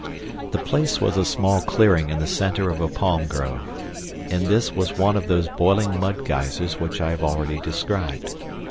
The place was a small clearing in the center of a palm grove. In this was one of those boiling mud geysers which I have already described.